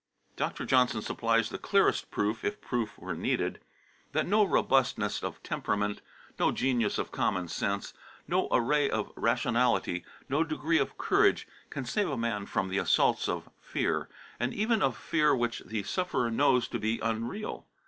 Dr. Johnson supplies the clearest proof, if proof were needed, that no robustness of temperament, no genius of common sense, no array of rationality, no degree of courage, can save a man from the assaults of fear, and even of fear which the sufferer knows to be unreal.